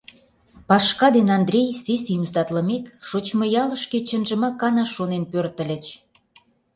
Пашка ден Андрей, сессийым сдатлымек, шочмо ялышке чынжымак канаш шонен пӧртыльыч.